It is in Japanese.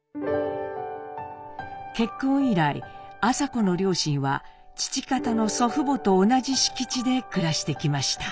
結婚以来麻子の両親は父方の祖父母と同じ敷地で暮らしてきました。